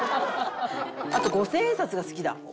あと五千円札が好きだ。